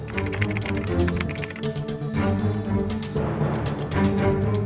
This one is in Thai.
มันต่อญี่ปุ๋ย